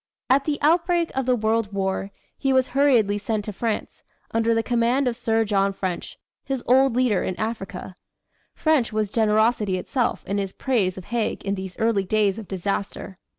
At the outbreak of the World War, he was hurriedly sent to France, under the command of Sir John French, his old leader in Africa. French was generosity itself in his praise of Haig in these early days of disaster.